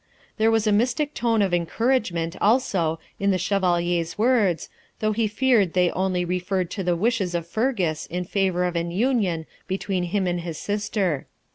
There was a mystic tone of encouragement, also, in the Chevalier's words, though he feared they only referred to the wishes of Fergus in favour of an union between him and his sister.